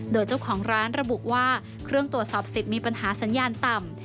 โดยเจ้าของร้านระบุว่าเครื่องตรวจสอบสิทธิ์มีปัญหาสัญญาณต่ำ